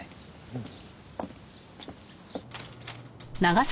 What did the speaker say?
うん。